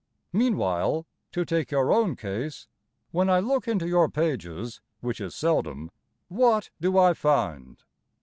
Meanwhile (To take your own case) When I look into your pages, Which is seldom, What do I find?